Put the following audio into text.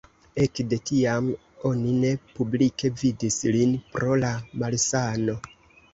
Ekde tiam oni ne publike vidis lin pro la malsano.